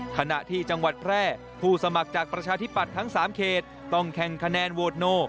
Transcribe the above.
ขณะที่จังหวัดแพร่ผู้สมัครจากประชาธิปัตย์ทั้ง๓เขตต้องแข่งคะแนนโหวตโน